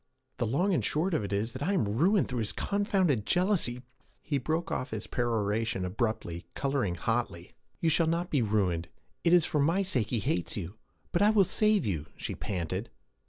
'The long and short of it is that I am ruined through his confounded jealousy' He broke off his peroration abruptly, coloring hotly. 'You shall not be ruined! It is for my sake he hates you! But I will save you!' she panted.